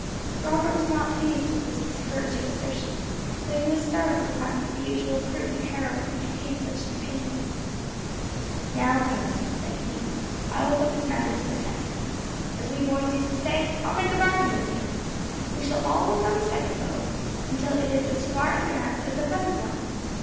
Robert was not pleased with this discouraging assertion, though he was startled to find that the usual prudent Harold entertained such an opinion. "Now, cousin," said he, "I will put this matter to the test. As we boys used to say, I'll make a bargain with you. We shall all work on the second boat, until it is as far advanced as the present one.